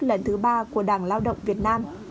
lần thứ ba của đảng lao động việt nam